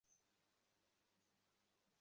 তুমি বেশিই খেয়ে ফেলছো।